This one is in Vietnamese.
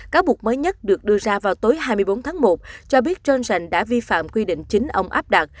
cáo buộc mới nhất được đưa ra vào tối hai mươi bốn tháng một cho biết johnson đã vi phạm quy định chính ông áp đặt